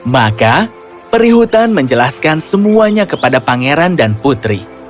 maka perihutan menjelaskan semuanya kepada pangeran dan putri